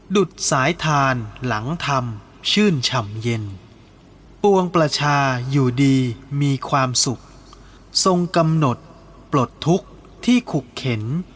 ดุดสายทานหลังทำชื่นฉ่ำเย็นปวงประชาอยู่ดีมีความสุขทรงกำหนดปลดทุกข์ที่ขุกเข็น